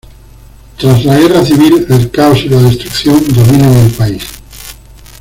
Tras la Guerra Civil, el caos y la destrucción dominan el país.